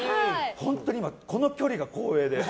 本当に今、この距離が光栄で。